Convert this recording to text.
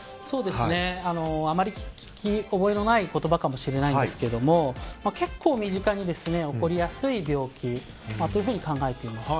あまり聞き覚えのない言葉かもしれないんですけども結構身近に起こりやすい病気と考えています。